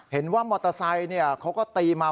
เห็นว่ามอเตอร์ไซค์เขาก็ตีมา